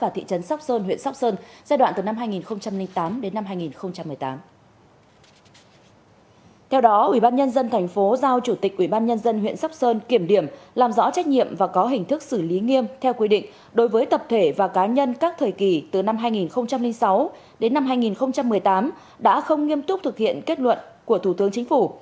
trước đó ubnd tp giao chủ tịch ubnd huyện sắp sơn kiểm điểm làm rõ trách nhiệm và có hình thức xử lý nghiêm theo quy định đối với tập thể và cá nhân các thời kỳ từ năm hai nghìn sáu đến năm hai nghìn một mươi tám đã không nghiêm túc thực hiện kết luận của thủ tướng chính phủ